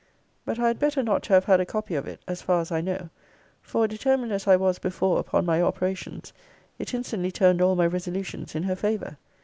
But I had better not to have had a copy of it, as far as I know: for, determined as I was before upon my operations, it instantly turned all my resolutions in her favour.